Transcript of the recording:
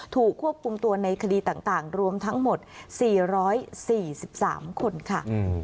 ถูกควบคุมตัวในคดีต่างรวมทั้งหมด๔๔๓คนค่ะ